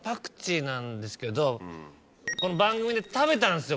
この番組で食べたんですよ